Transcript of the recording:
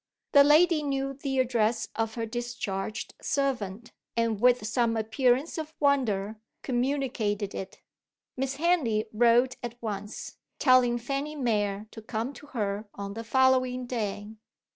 The lady knew the address of her discharged servant, and with some appearance of wonder communicated it. Miss Henley wrote at once, telling Fanny Mere to come to her on the following day.